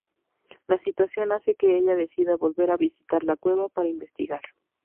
La situación hace que ella decida volver a visitar la cueva para investigar.